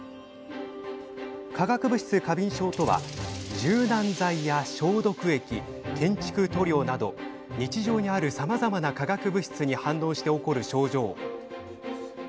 化学物質過敏症とは柔軟剤や消毒液、建築塗料など日常にある、さまざまな化学物質に反応して起こる症状。